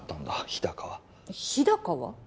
日高は「日高は」？